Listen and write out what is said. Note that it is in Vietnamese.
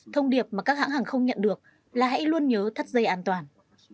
thông điệp mà các hãng hàng không nhận được là hãy luôn nhớ thắt dây an toàn